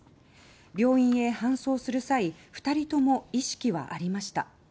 病院へ搬送する際２人とも意識はありました。